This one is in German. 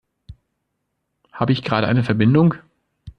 Habe ich gerade eine Verbindung?